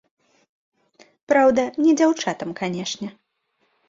Праўда, не дзяўчатам, канечне.